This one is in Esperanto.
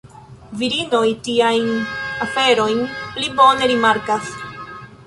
Virinoj tiajn aferojn pli bone rimarkas.